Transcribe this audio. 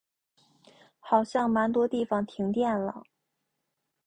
好像蛮多地方停电了